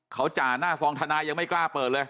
เขาจ่าหน้าซองทนายยังไม่กล้าเปิดเลย